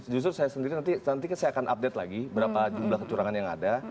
justru saya sendiri nanti saya akan update lagi berapa jumlah kecurangan yang ada